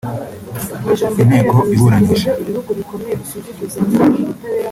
inteko iburanisha